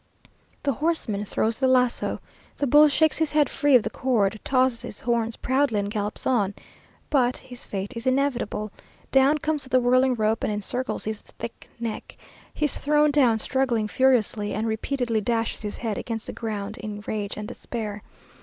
The horseman throws the laso. The bull shakes his head free of the cord, tosses his horns proudly, and gallops on. But his fate is inevitable. Down comes the whirling rope, and encircles his thick neck. He is thrown down struggling furiously, and repeatedly dashes his head against the ground in rage and despair.